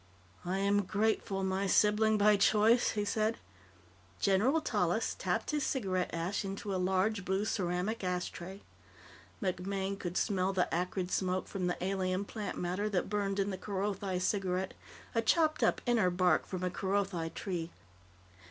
"I am grateful, my sibling by choice," he said. General Tallis tapped his cigarette ash into a large blue ceramic ashtray. MacMaine could smell the acrid smoke from the alien plant matter that burned in the Kerothi cigarette a chopped up inner bark from a Kerothi tree.